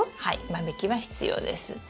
はい間引きは必要です。